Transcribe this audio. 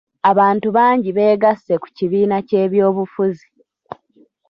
Abantu bangi beegasse ku kibiina ky'ebyobufuzi.